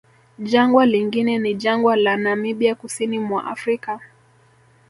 Jangwa lingine ni jangwa la Namibia kusini mwa Afrika